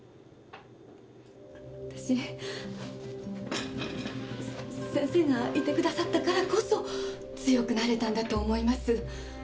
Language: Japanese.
わたし先生がいてくださったからこそ強くなれたんだと思います。